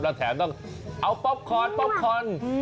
แล้วแถวต้องเอาป๊อปคอน